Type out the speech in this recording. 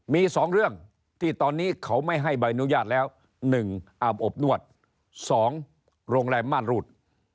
มี๒เรื่องที่ตอนนี้เขาไม่ให้ใบอนุญาตแล้ว๑อาบอบนวด๒โรงแรมม่านรูด